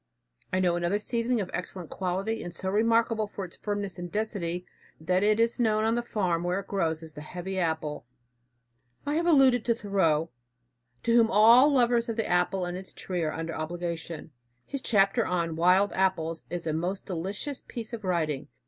I know another seedling of excellent quality and so remarkable for its firmness and density, that it is known on the farm where it grows as the "heavy apple." I have alluded to Thoreau, to whom all lovers of the apple and its tree are under obligation. His chapter on Wild Apples is a most delicious piece of writing.